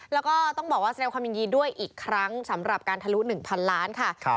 แล้วก็ต้องบอกว่าแสดงความยินดีด้วยอีกครั้งสำหรับการทะลุ๑๐๐๐ล้านค่ะ